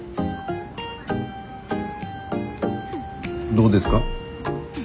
どうですか？